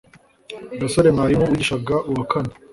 gasore mwarimu wigishaga uwakane